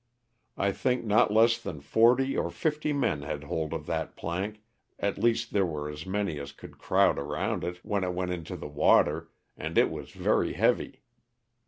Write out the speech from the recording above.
I think not less than forty or fifty men had hold of that plank, at least there were as many as could crowd around it when it went into the water, and it was very heavy.